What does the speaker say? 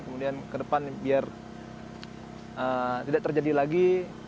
kemudian ke depan biar tidak terjadi lagi